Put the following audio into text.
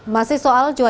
masih soal cuaca buruk